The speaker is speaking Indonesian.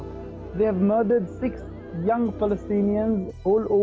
mereka telah membunuh enam orang palestina yang muda